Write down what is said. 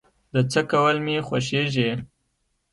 د څه کول مې خوښيږي؟